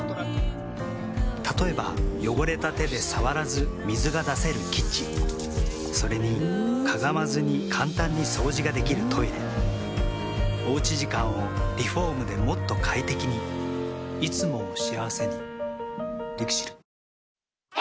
例えば汚れた手で触らず水が出せるキッチンそれにかがまずに簡単に掃除ができるトイレおうち時間をリフォームでもっと快適にいつもを幸せにＬＩＸＩＬ。